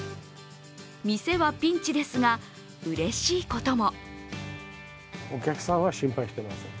店はピンチですがうれしいことも。